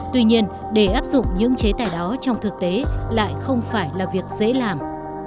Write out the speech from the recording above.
tuy nhiên để áp dụng những chế tài đó trong thực tế lại không phải là việc dễ làm